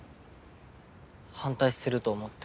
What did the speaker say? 反対すると思って。